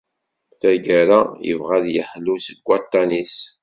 Taggara, yebɣa ad yeḥlu seg waṭṭan-is.